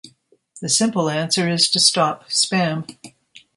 The simple answer is to stop spam.